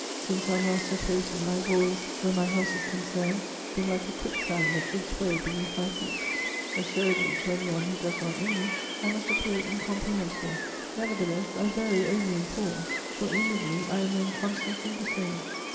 Since our last separation, I have always, where my house is concerned, been like a quicksand that gives way beneath my feet: assuredly to anyone who does not know me I must appear incomprehensible; nevertheless I vary only in form, for inwardly I remain constantly the same."